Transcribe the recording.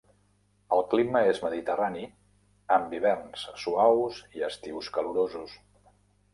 El clima és mediterrani, amb hiverns suaus i estius calorosos.